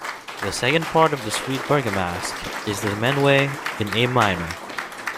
The second part of the "Suite bergamasque" is the "Menuet", in A minor.